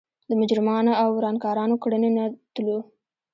د مجرمانو او ورانکارانو کړنې نه تلو.